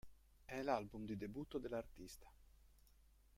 È l'album di debutto dell'artista.